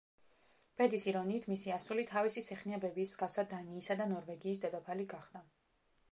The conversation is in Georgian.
ბედის ირონიით, მისი ასული თავისი სეხნია ბებიის მსგავსად დანიისა და ნორვეგიის დედოფალი გახდა.